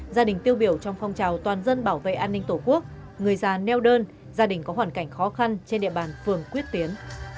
gia đình tiêu biểu trong phong trào toàn dân bảo vệ an ninh tổ quốc người già neo đơn gia đình có hoàn cảnh khó khăn trên địa bàn phường quyết tiến